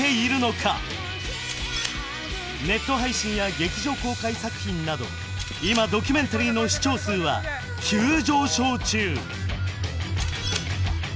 ネット配信や劇場公開作品など今ドキュメンタリーの視聴数は急上昇中！